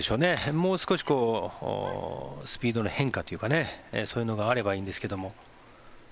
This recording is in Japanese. もう少しスピードの変化というかそういうのがあればいいんですけども。